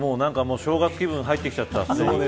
正月気分入ってきちゃった。